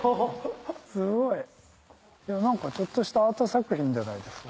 すごい！何かちょっとしたアート作品じゃないですか。